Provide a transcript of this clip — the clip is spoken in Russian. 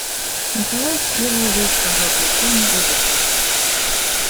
Николай Всеволодович пожал плечами и вышел.